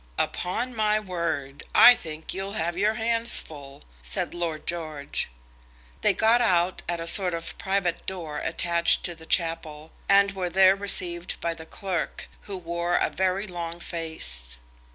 "Upon my word, I think you'll have your hands full," said Lord George. They got out at a sort of private door attached to the chapel, and were there received by the clerk, who wore a very long face.